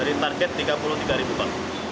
dari target tiga puluh tiga ribu pak